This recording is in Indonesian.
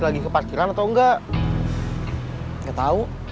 masih teleponan aja